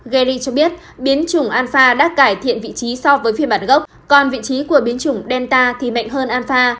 gary cho biết biến chủng alpha đã cải thiện vị trí so với phiên bản gốc còn vị trí của biến chủng delta thì mạnh hơn alpha